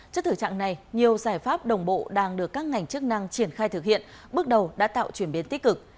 trước thử trạng này nhiều giải pháp đồng bộ đang được các ngành chức năng triển khai thực hiện bước đầu đã tạo chuyển biến tích cực